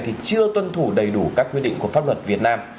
thì chưa tuân thủ đầy đủ các quy định của pháp luật việt nam